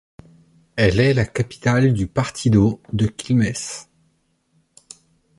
Elle est la capitale du partido de Quilmes.